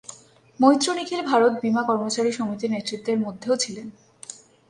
মৈত্র নিখিল ভারত বীমা কর্মচারী সমিতির নেতৃত্বের মধ্যেও ছিলেন।